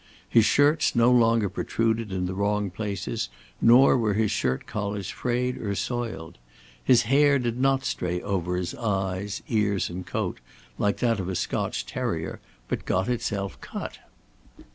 His shirts no longer protruded in the wrong places, nor were his shirt collars frayed or soiled. His hair did not stray over his eyes, ears, and coat, like that of a Scotch terrier, but had got itself cut.